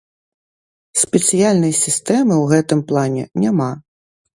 Спецыяльнай сістэмы ў гэтым плане няма.